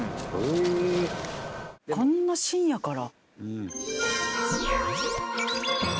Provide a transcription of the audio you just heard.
こんな深夜から。